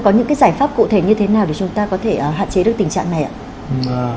có những cái giải pháp cụ thể như thế nào để chúng ta có thể hạn chế được tình trạng này ạ